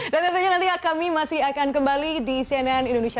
dan tentunya nanti kami masih akan kembali di cnn indonesia